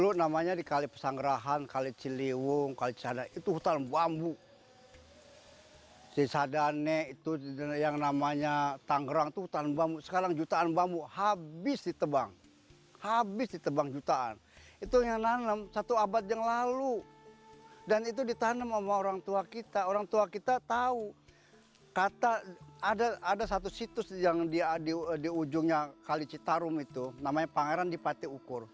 tahu ada satu situs yang di ujungnya kalicitarum itu namanya pangeran dipati ukur